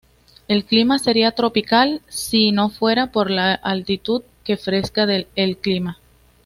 El clima sería tropical sí no fuera por la altitud que fresca el clima.